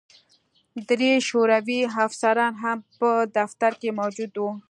درې شوروي افسران هم په دفتر کې موجود وو